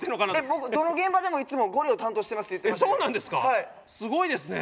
僕どの現場でもいつも「ゴリを担当してます」って言ってましたけど。